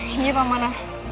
iya pak manah